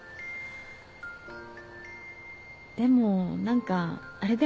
でも何かあれだよね。